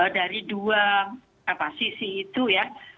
dari dua sisi itu ya